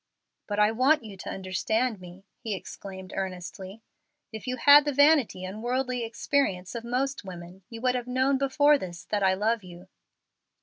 "But I want you to understand me," he exclaimed, earnestly. "If you had the vanity and worldly experience of most women, you would have known before this that I love you."